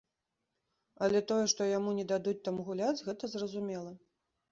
Але тое, што яму не дадуць там гуляць, гэта зразумела.